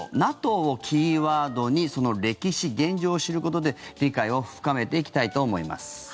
ＮＡＴＯをキーワードにその歴史・現状を知ることで理解を深めていきたいと思います。